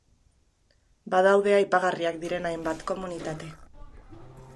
Badaude aipagarriak diren hainbat komunitate.